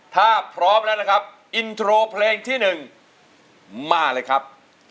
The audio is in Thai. ถ้าพร้อมแล้วนะครับอินโทรเพลงที่๑มาเลยครับ